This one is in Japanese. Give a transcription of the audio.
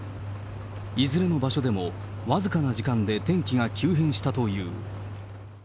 いずれの場所でも、僅かな時間で天気が急変したという。